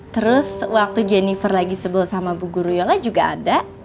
terus waktu jennifer lagi sebel sama bu guru yola juga ada